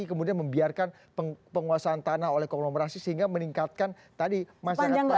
kemudian membiarkan penguasaan tanah oleh konglomerasi sehingga meningkatkan tadi masyarakat paham